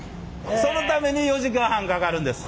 そのために４時間半かかるんです。